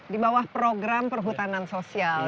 di bawah program perhutanan sosial